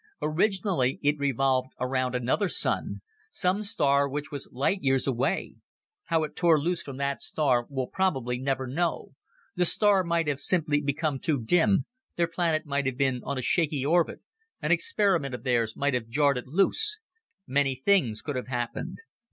Originally it revolved around another sun, some star which was light years away. How it tore loose from that star we'll probably never know the star might have simply become too dim, their planet might have been on a shaky orbit, an experiment of theirs might have jarred it loose, many things could have happened.